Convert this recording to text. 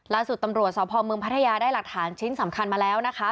ล่าสุดตำรวจสพเมืองพัทยาได้หลักฐานชิ้นสำคัญมาแล้วนะคะ